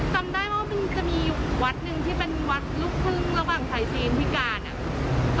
จำได้ว่ามันจะมีวัดหนึ่งที่เป็นวัดลูกครึ่งระหว่างไทยจีนพิการอ่ะ